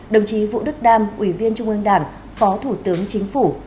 đồng chí vũ đức đam ủy viên trung ương đảng phó thủ tướng chính phủ